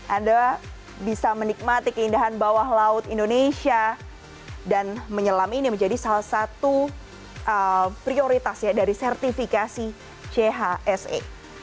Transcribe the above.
anda bisa menikmati keindahan bawah laut indonesia dan menyelam ini menjadi salah satu prioritas ya dari sertifikasi chse